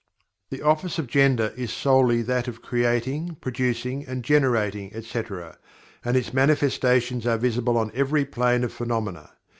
The office of Gender is solely that of creating, producing, generating, etc., and its manifestations are visible on every plane of phenomena.